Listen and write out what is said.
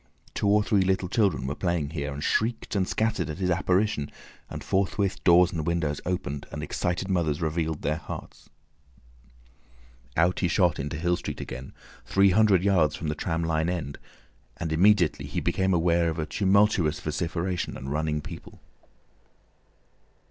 Two or three little children were playing here, and shrieked and scattered at his apparition, and forthwith doors and windows opened and excited mothers revealed their hearts. Out he shot into Hill Street again, three hundred yards from the tram line end, and immediately he became aware of a tumultuous vociferation and running people.